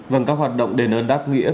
vâng các hoạt động đền ơn đáp nghĩa